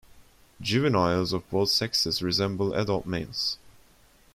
Juveniles of both sexes resemble adult males.